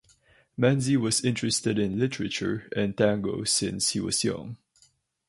Manzi was interested in literature and tango since he was young.